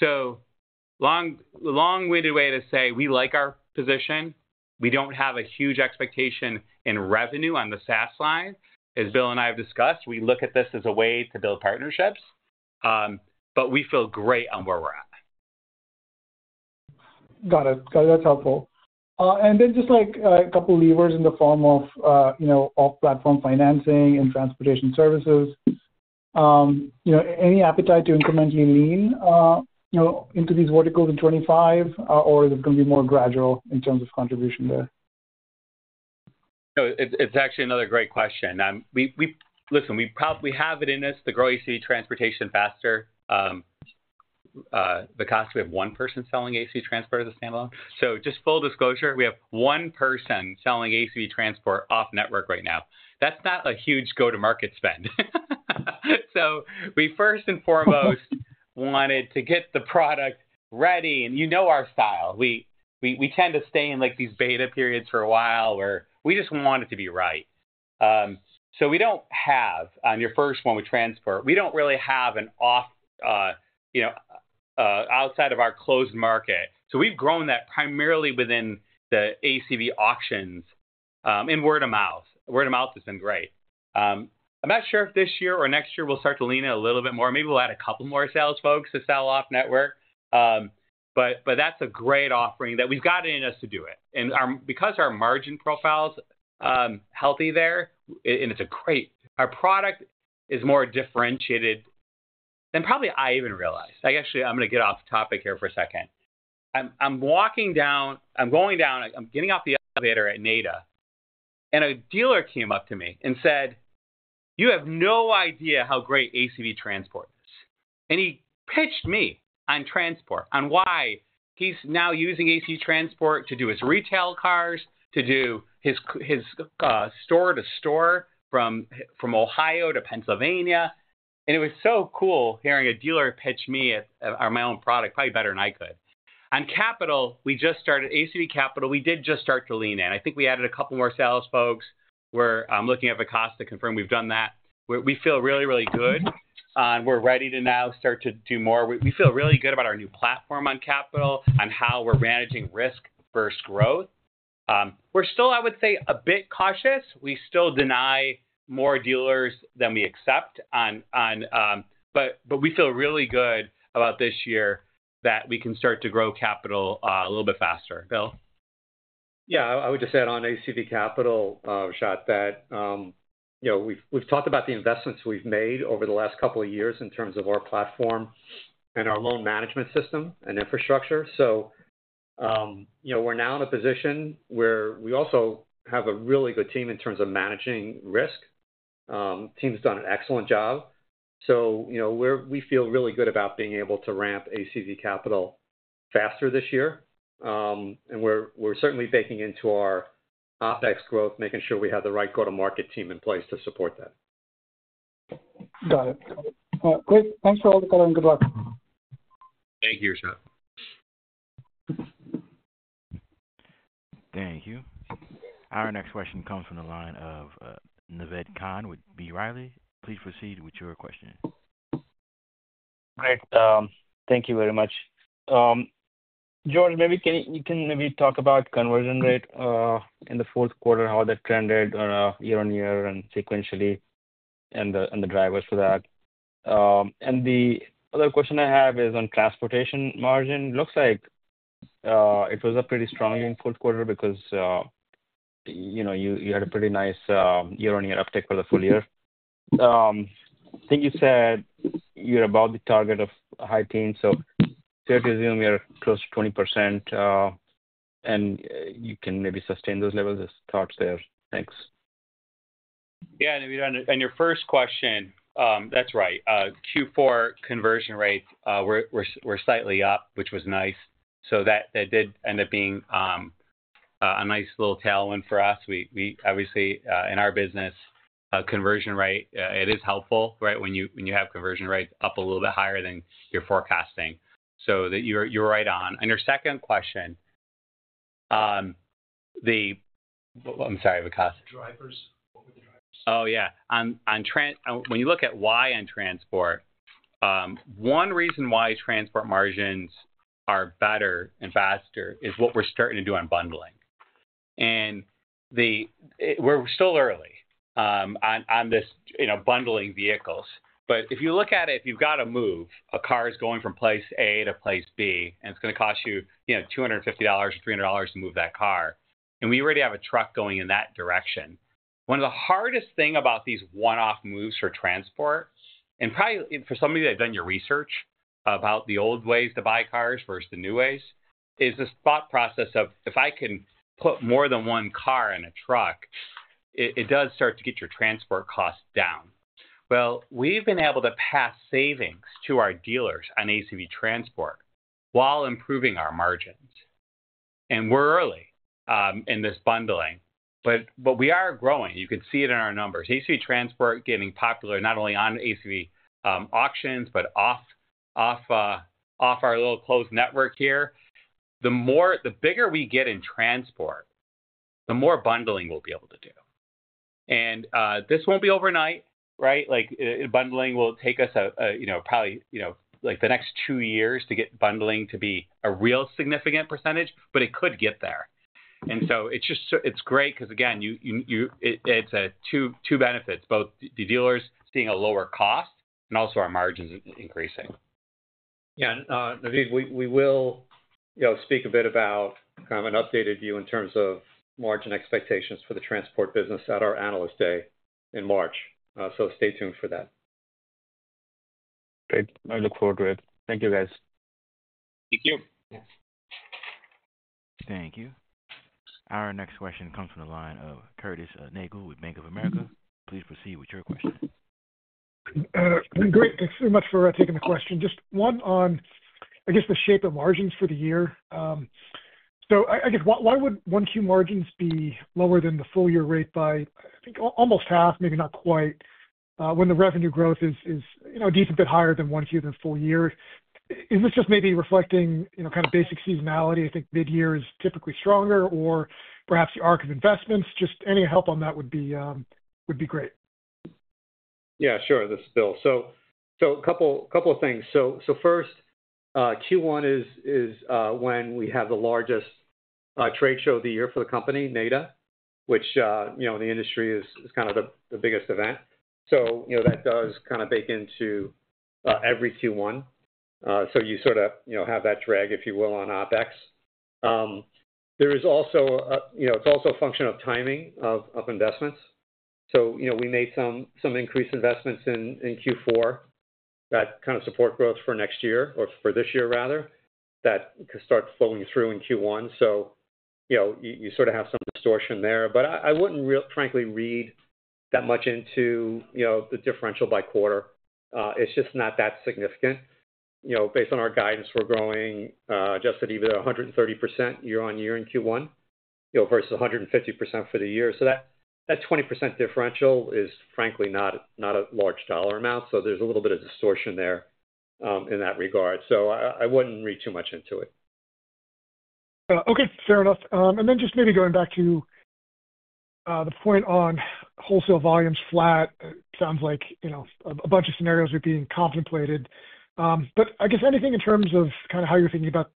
So long-winded way to say we like our position. We don't have a huge expectation in revenue on the SaaS side. As Bill and I have discussed, we look at this as a way to build partnerships, but we feel great on where we're at. Got it. Got it. That's helpful. And then just a couple of levers in the form of off-platform financing and transportation services. Any appetite to incrementally lean into these verticals in 2025, or is it going to be more gradual in terms of contribution there? It's actually another great question. Listen, we have it in us to grow ACV Transportation faster. The cost of one person selling ACV Transport as a standalone. So just full disclosure, we have one person selling ACV Transport off network right now. That's not a huge go-to-market spend. So we first and foremost wanted to get the product ready and you know our style. We tend to stay in these beta periods for a while where we just want it to be right. So we don't have on your first one with Transport, we don't really have an off outside of our closed market. So we've grown that primarily within the ACV Auctions and word of mouth. Word of mouth has been great. I'm not sure if this year or next year we'll start to lean in a little bit more. Maybe we'll add a couple more sales folks to sell off network. But that's a great offering that we've got in us to do it. And because our margin profile's healthy there, and it's a great our product is more differentiated than probably I even realized. Actually, I'm going to get off topic here for a second. I'm walking down, I'm going down, I'm getting off the elevator at NADA, and a dealer came up to me and said, "You have no idea how great ACV Transport is." And he pitched me on Transport, on why he's now using ACV Transport to do his retail cars, to do his store-to-store from Ohio to Pennsylvania. And it was so cool hearing a dealer pitch me on my own product, probably better than I could. On Capital, we just started ACV Capital. We did just start to lean in. I think we added a couple more sales folks. We're looking at Vikas to confirm we've done that. We feel really, really good. We're ready to now start to do more. We feel really good about our new platform on Capital and how we're managing risk versus growth. We're still, I would say, a bit cautious. We still deny more dealers than we accept. But we feel really good about this year that we can start to grow capital a little bit faster. Bill? Yeah. I would just add on ACV Capital, Rajat, that we've talked about the investments we've made over the last couple of years in terms of our platform and our loan management system and infrastructure. So we're now in a position where we also have a really good team in terms of managing risk. The team's done an excellent job. So we feel really good about being able to ramp ACV Capital faster this year. And we're certainly baking into our OpEx growth, making sure we have the right go-to-market team in place to support that. Got it. Great. Thanks for all the color and good luck. Thank you, Rajat. Thank you. Our next question comes from the line of Naved Khan with B. Riley. Please proceed with your question. Great. Thank you very much. George, maybe you can maybe talk about conversion rate in the Q4, how that trended year on year and sequentially and the drivers for that? And the other question I have is on transportation margin. It looks like it was up pretty strongly in the Q4 because you had a pretty nice year-on-year uptake for the full year. I think you said you're above the target of high teens. So fair to assume you're close to 20%, and you can maybe sustain those levels? Just thoughts there. Thanks. Yeah, and on your first question, that's right. Q4 conversion rate, we're slightly up, which was nice. So that did end up being a nice little tailwind for us. Obviously, in our business, conversion rate, it is helpful, right, when you have conversion rates up a little bit higher than you're forecasting. So you're right on. On your second question, the. I'm sorry, Vikas. Drivers? What were the drivers? Oh, yeah. When you look at why, on transport, one reason why transport margins are better and faster is what we're starting to do on bundling, and we're still early on this bundling vehicles. But if you look at it, if you've got to move a car from place A to place B, and it's going to cost you $250 or $300 to move that car, and we already have a truck going in that direction. One of the hardest things about these one-off moves for transport, and probably for somebody that had done your research about the old ways to buy cars versus the new ways, is this thought process of, "If I can put more than one car in a truck, it does start to get your transport costs down." Well, we've been able to pass savings to our dealers on ACV Transport while improving our margins. And we're early in this bundling. But we are growing. You can see it in our numbers. ACV Transport getting popular not only on ACV Auctions but off our little closed network here. The bigger we get in transport, the more bundling we'll be able to do. And this won't be overnight, right? Bundling will take us probably the next two years to get bundling to be a real significant percentage, but it could get there. It's great because, again, it's two benefits, both the dealers seeing a lower cost and also our margins increasing. Yeah. Naved, we will speak a bit about kind of an updated view in terms of margin expectations for the transport business at our Analyst Day in March. So stay tuned for that. Great. I look forward to it. Thank you, guys. Thank you. Thank you. Our next question comes from the line of Curtis Nagl with Bank of America. Please proceed with your question. Great. Thanks very much for taking the question. Just one on, I guess, the shape of margins for the year. So I guess, why would Q1 margins be lower than the full-year rate by, I think, almost half, maybe not quite, when the revenue growth is a decent bit higher than Q1 than full-year? Is this just maybe reflecting kind of basic seasonality? I think mid-year is typically stronger, or perhaps the arc of investments. Just any help on that would be great. Yeah. Sure. This is Bill. So a couple of things. So first, Q1 is when we have the largest trade show of the year for the company, NADA, which in the industry is kind of the biggest event. So that does kind of bake into every Q1. So you sort of have that drag, if you will, on OpEx. There is also. It's also a function of timing of investments. So we made some increased investments in Q4 that kind of support growth for next year or for this year, rather, that could start flowing through in Q1. So you sort of have some distortion there. But I wouldn't frankly read that much into the differential by quarter. It's just not that significant. Based on our guidance, we're growing just at even 130% year-on-year in Q1 versus 150% for the year. That 20% differential is frankly not a large dollar amount. There's a little bit of distortion there in that regard. I wouldn't read too much into it. Okay. Fair enough. And then just maybe going back to the point on wholesale volumes flat, it sounds like a bunch of scenarios are being contemplated. But I guess anything in terms of kind of how you're thinking about,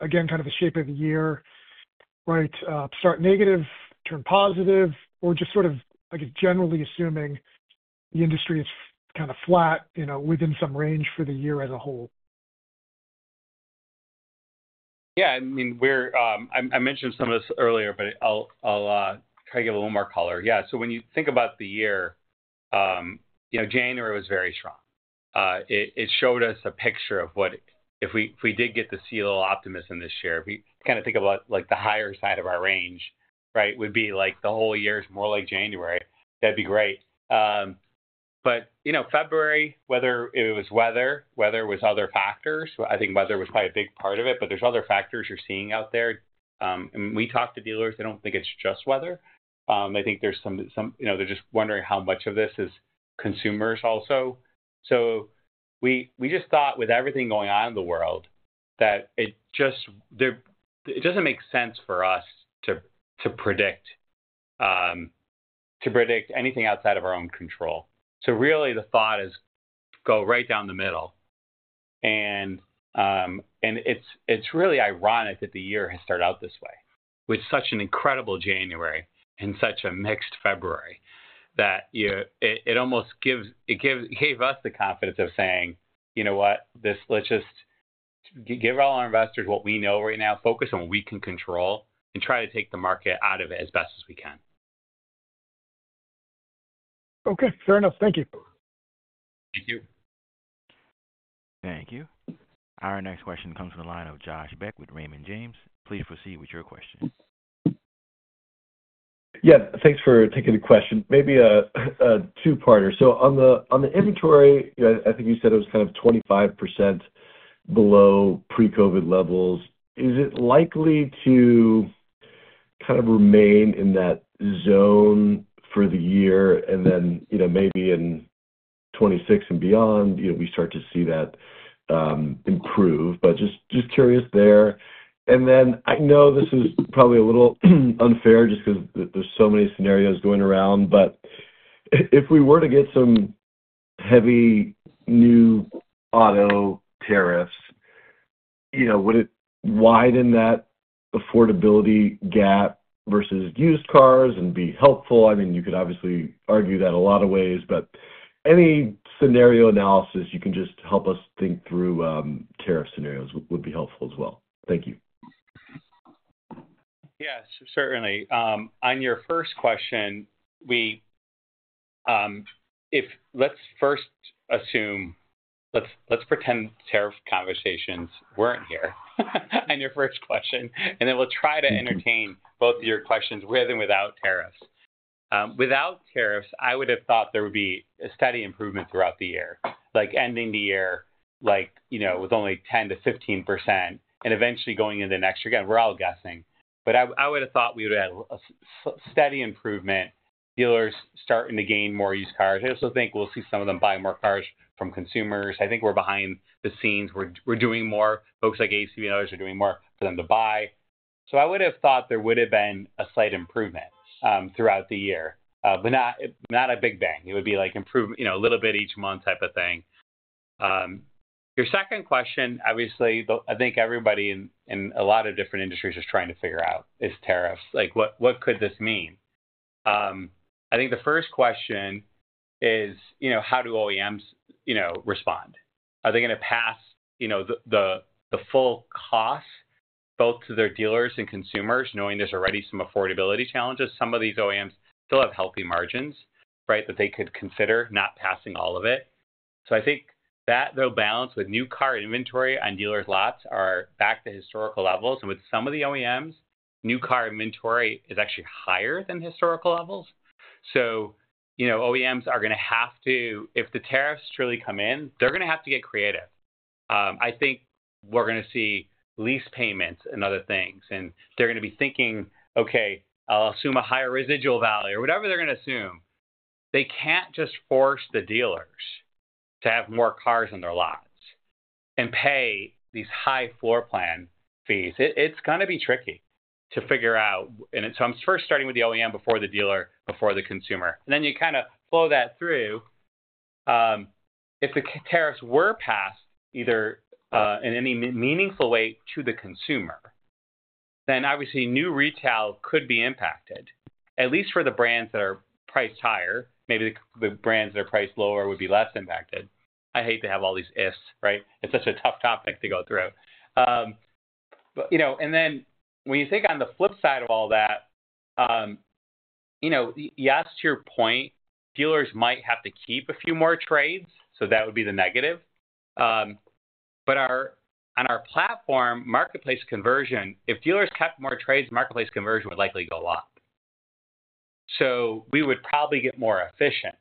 again, kind of the shape of the year, right? Start negative, turn positive, or just sort of, I guess, generally assuming the industry is kind of flat within some range for the year as a whole? Yeah. I mean, I mentioned some of this earlier, but I'll try to give it a little more color. Yeah. So when you think about the year, January was very strong. It showed us a picture of what if we did get to see a little optimism this year, if we kind of think about the higher side of our range, right, would be like the whole year is more like January, that'd be great. But February, whether it was weather, whether it was other factors, I think weather was probably a big part of it. But there's other factors you're seeing out there. And we talked to dealers. I don't think it's just weather. I think there's some, they're just wondering how much of this is consumers also. So we just thought with everything going on in the world that it just doesn't make sense for us to predict anything outside of our own control. So really, the thought is go right down the middle. And it's really ironic that the year has started out this way with such an incredible January and such a mixed February that it almost gave us the confidence of saying, you know what? Let's just give all our investors what we know right now, focus on what we can control, and try to take the market out of it as best as we can. Okay. Fair enough. Thank you. Thank you. Thank you. Our next question comes from the line of Josh Beck with Raymond James. Please proceed with your question. Yeah. Thanks for taking the question. Maybe a two-parter. So on the inventory, I think you said it was kind of 25% below pre-COVID levels. Is it likely to kind of remain in that zone for the year? And then maybe in 2026 and beyond, we start to see that improve. But just curious there. And then I know this is probably a little unfair just because there's so many scenarios going around. But if we were to get some heavy new auto tariffs, would it widen that affordability gap versus used cars and be helpful? I mean, you could obviously argue that a lot of ways. But any scenario analysis, you can just help us think through tariff scenarios would be helpful as well. Thank you. Yes. Certainly. On your first question, let's first assume, let's pretend tariff conversations weren't here on your first question. And then we'll try to entertain both of your questions with and without tariffs. Without tariffs, I would have thought there would be a steady improvement throughout the year, like ending the year with only 10%-15% and eventually going into the next year. Again, we're all guessing. But I would have thought we would have a steady improvement, dealers starting to gain more used cars. I also think we'll see some of them buy more cars from consumers. I think we're behind the scenes. We're doing more. Folks like ACV and others are doing more for them to buy. So I would have thought there would have been a slight improvement throughout the year, but not a big bang. It would be like improvement a little bit each month type of thing. Your second question, obviously, I think everybody in a lot of different industries is trying to figure out is tariffs. What could this mean? I think the first question is, how do OEMs respond? Are they going to pass the full cost both to their dealers and consumers, knowing there's already some affordability challenges? Some of these OEMs still have healthy margins, right, that they could consider not passing all of it, so I think that, though, balances with new car inventory on dealers' lots are back to historical levels, and with some of the OEMs, new car inventory is actually higher than historical levels, so OEMs are going to have to, if the tariffs truly come in, they're going to have to get creative. I think we're going to see lease payments and other things. And they're going to be thinking, "Okay. I'll assume a higher residual value," or whatever they're going to assume. They can't just force the dealers to have more cars on their lots and pay these high floor plan fees. It's going to be tricky to figure out. And so I'm first starting with the OEM before the dealer, before the consumer. And then you kind of flow that through. If the tariffs were passed either in any meaningful way to the consumer, then obviously new retail could be impacted, at least for the brands that are priced higher. Maybe the brands that are priced lower would be less impacted. I hate to have all these ifs, right? It's such a tough topic to go through. And then when you think on the flip side of all that, yes, to your point, dealers might have to keep a few more trades. So that would be the negative, but on our platform, marketplace conversion, if dealers kept more trades, marketplace conversion would likely go up, so we would probably get more efficient,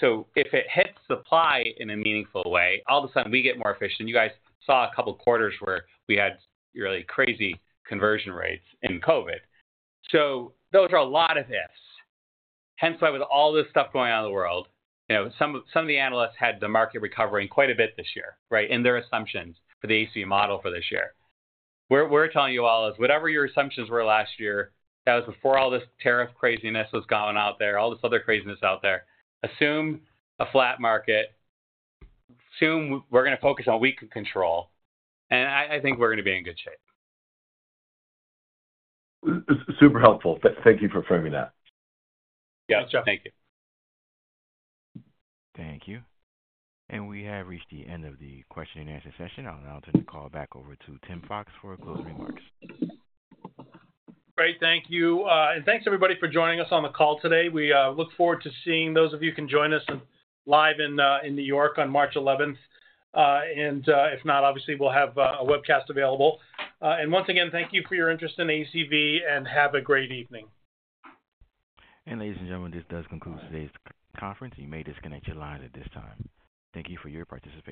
so if it hits supply in a meaningful way, all of a sudden, we get more efficient, and you guys saw a couple of quarters where we had really crazy conversion rates in COVID, so those are a lot of ifs. Hence, with all this stuff going on in the world, some of the analysts had the market recovering quite a bit this year, right, in their assumptions for the ACV model for this year. We're telling you all is whatever your assumptions were last year, that was before all this tariff craziness was going out there, all this other craziness out there. Assume a flat market. Assume we're going to focus on what we can control. I think we're going to be in good shape. Super helpful. Thank you for framing that. Yeah. Thank you. Thank you. And we have reached the end of the question and answer session. I'll now turn the call back over to Tim Fox for closing remarks. Great. Thank you. And thanks, everybody, for joining us on the call today. We look forward to seeing those of you who can join us live in New York on March 11th. And if not, obviously, we'll have a webcast available. And once again, thank you for your interest in ACV and have a great evening. Ladies and gentlemen, this does conclude today's conference. You may disconnect your line at this time. Thank you for your participation.